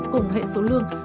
cùng hệ số lương